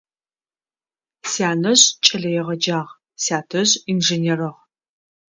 Сянэжъ кӏэлэегъэджагъ, сятэжъ инженерыгъ.